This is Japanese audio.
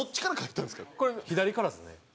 これ左からですね。